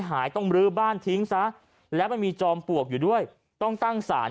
หายต้องลื้อบ้านทิ้งซะแล้วมันมีจอมปลวกอยู่ด้วยต้องตั้งสาร